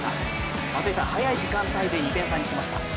松井さん、早い時間帯で２点差にしました。